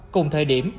cùng thời điểm